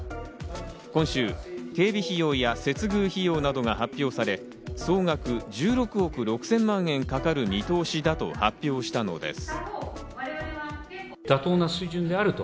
今週、警備費用や接遇費用などが発表され、総額１６億６０００万円かかる見通しだと発表したのです。